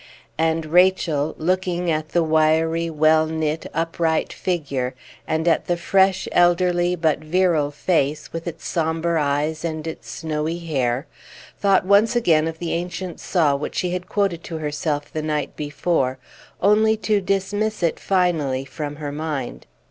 And Rachel, looking at the wiry, well knit, upright figure, and at the fresh, elderly, but virile face, with its sombre eyes and its snowy hair, thought once again of the ancient saw which she had quoted to herself the night before, only to dismiss it finally from her mind.